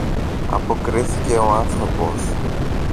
αποκρίθηκε ο άνθρωπος.